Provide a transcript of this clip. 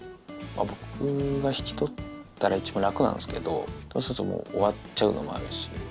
僕が引き取ったら一番楽なんですけど、そうするともう終わっちゃうのもあるし。